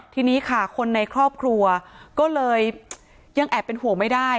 ทีนี้ค่ะคนในครอบครัวก็เลยยังแอบเป็นห่วงไม่ได้